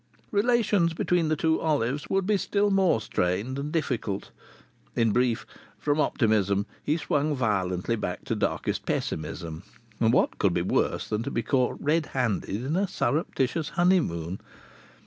Relations between the two Olives would be still more strained and difficult! In brief, from optimism he swung violently back to darkest pessimism. What could be worse than to be caught red handed in a surreptitious honeymoon?